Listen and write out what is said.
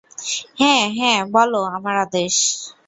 হ্যাঁ, হ্যাঁ, বলো আমার আদেশ।